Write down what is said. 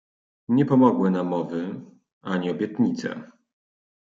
"Nie pomogły namowy, ani obietnice."